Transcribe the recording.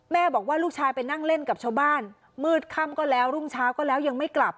บอกว่าลูกชายไปนั่งเล่นกับชาวบ้านมืดค่ำก็แล้วรุ่งเช้าก็แล้วยังไม่กลับ